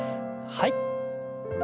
はい。